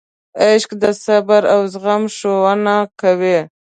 عشق د صبر او زغم ښوونه کوي.